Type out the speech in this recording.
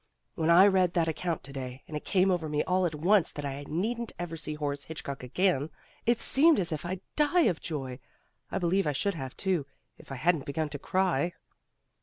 "When I read that account today, and it came over me all at once that I needn't ever see Horace Hitchcock again, it seemed as if I'd die of joy. I believe I should have, too, if I hadn't begun to cry."